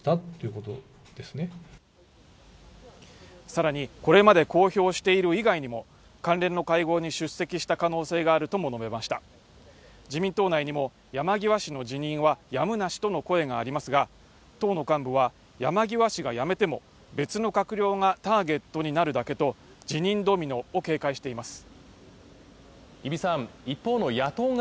さらにこれまで公表している以外にも関連の会合に出席した可能性があるとも述べました自民党内にも山際氏の辞任はやむなしとの声がありますが党の幹部は山際氏が辞めても別の閣僚がターゲットになるだけと辞任ドミノを警戒しています